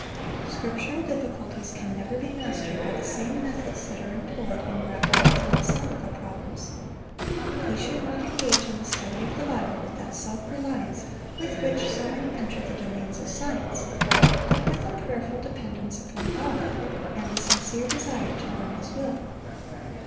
Scriptural difficulties can never be mastered by the same methods that are employed in grappling with philosophical problems. We should not engage in the study of the Bible with that self reliance with which so many enter the domains of science, but with a prayerful dependence upon God, and a sincere desire to learn His will.